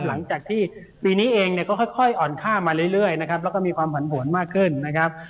หลังจากที่ปีนี้เองเนี่ยก็ค่อยอ่อนค่ามาเรื่อยนะครับแล้วก็มีความผันผวนมากขึ้นนะครับ